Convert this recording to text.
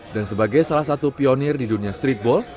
dan sebagai salah satu pionir di dunia streetball